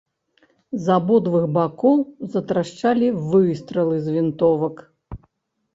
З абодвух бакоў затрашчалі выстралы з вінтовак.